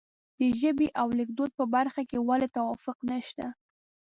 د ژبې او لیکدود په برخه کې ولې توافق نشته.